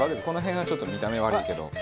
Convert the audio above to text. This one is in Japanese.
この辺がちょっと見た目悪いけど。